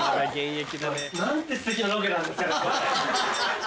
何てすてきなロケなんですか。